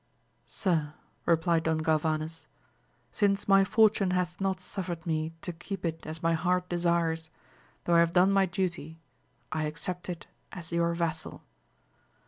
Sir, replied Don Galvanes, since my fortune hath not suffered me to keep it as my heart desires, though I have done my duty, I accept it as your vassal.